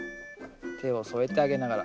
手を添えてあげながら。